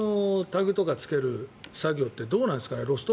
自分でタグとかつける作業ってどうなんですかね